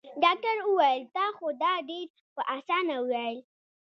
ډاکټر وويل تا خو دا ډېر په اسانه وويل.